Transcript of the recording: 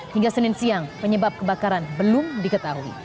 hingga senin siang penyebab kebakaran belum diketahui